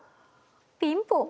ピンポン！